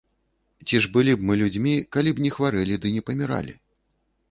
Ці ж былі б мы людзьмі, калі б не хварэлі ды не паміралі?